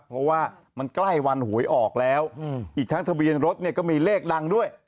เพราะว่ามันใกล้วันหวยออกแล้วอีกทั้งทะเบียนรถเนี่ยก็มีเลขดังด้วย